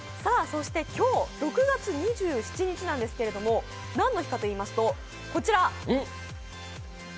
そして今日、６月２７日なんですけれども、何の日かといいますと、こちら。